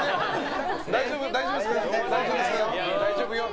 大丈夫よ。